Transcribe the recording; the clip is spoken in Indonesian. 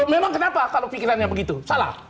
memang kenapa kalau pikirannya begitu salah